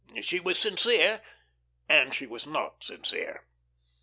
She was sincere and she was not sincere.